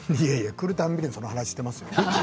来るたびにその話をしています。